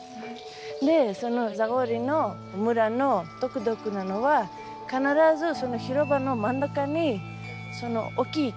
でそのザゴリの村の独特なのは必ず広場の真ん中に大きい木がありますね。